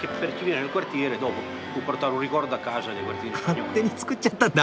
勝手に作っちゃったんだ！